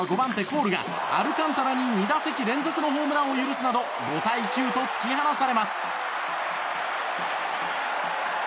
コールがアルカンタラに２打席連続のホームランを許すなど５対９と突き放されます。